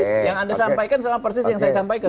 yang anda sampaikan sama persis yang saya sampaikan